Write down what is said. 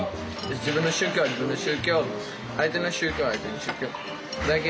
自分の宗教は自分の宗教相手の宗教は相手の宗教だけ。